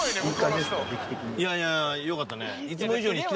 いやいやよかったね。